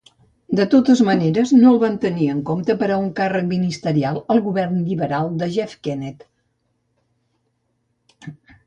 De totes maneres, no el van tenir en compte per a un càrrec ministerial al govern liberal de Jeff Kennett.